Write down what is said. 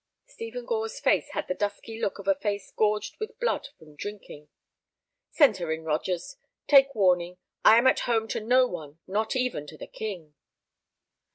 Stephen Gore's face had the dusky look of a face gorged with blood from drinking. "Send her in, Rogers. Take warning, I am at home to no one, not even to the King."